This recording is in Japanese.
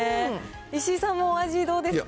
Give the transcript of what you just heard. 石井さんもお味どうですか？